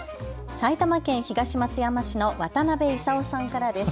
埼玉県東松山市の渡辺伊佐雄さんからです。